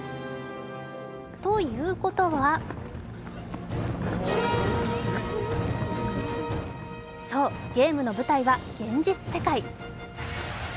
ということはそう、ゲームの舞台は現実世界。